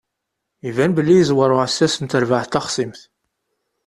Iban belli yeẓwer uɛessas n terbaɛt taxṣimt.